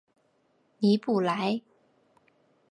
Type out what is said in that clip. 尼布莱。